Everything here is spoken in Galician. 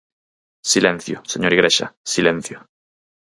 Silencio, señor Igrexa, silencio.